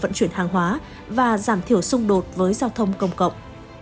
vận chuyển hàng hóa và giảm thiểu xung đột với giao thông công cộng